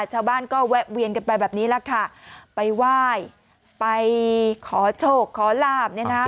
ชาวบ้านก็แวะเวียนกันไปแบบนี้แหละค่ะไปไหว้ไปขอโชคขอลาบเนี่ยนะ